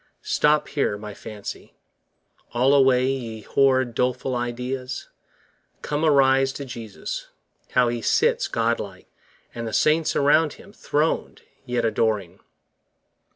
Stop here, my fancy: (all away, ye horrid Doleful ideas!) come, arise to Jesus, 30 How He sits God like! and the saints around Him Throned, yet adoring!